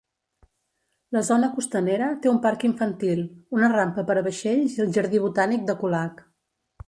La zona costanera té un parc infantil, una rampa per a vaixells i el Jardí Botànic de Colac.